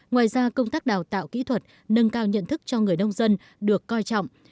ngoài ra công tác đào tạo kỹ thuật nâng cao nhận thức cho người nông dân được coi trọng